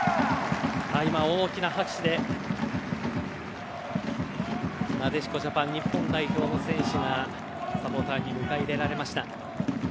今、大きな拍手でなでしこジャパン日本代表の選手がサポーターに迎え入れられました。